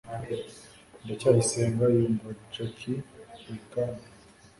ndacyayisenga yumva jaki buri kanya